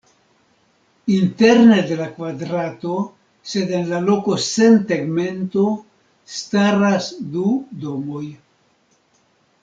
Interne de la kvadrato, sed en la loko sen tegmento, staras du domoj.